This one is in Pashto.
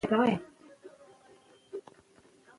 انګور د افغانستان یو ډېر لوی طبعي ثروت دی.